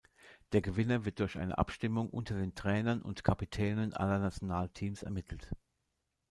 Der Gewinner wird durch eine Abstimmung unter den Trainern und Kapitänen aller Nationalteams ermittelt.